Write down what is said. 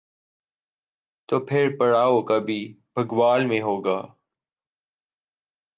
تو پھر پڑاؤ کبھی بھگوال میں ہو گا۔